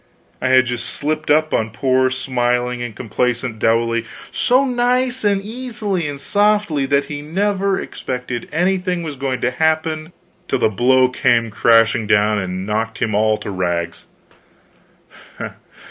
I had just slipped up on poor smiling and complacent Dowley so nice and easy and softly, that he never suspected anything was going to happen till the blow came crashing down and knocked him all to rags.